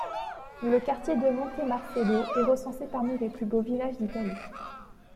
Le quartier de Montemarcello est recensé parmi les plus beaux villages d'Italie.